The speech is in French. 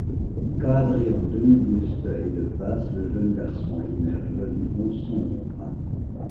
Cadré en demi-buste et de face, le jeune garçon émerge du fond sombre.